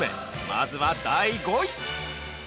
まずは第５位！